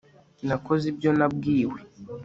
nakoze ibyo nabwiwe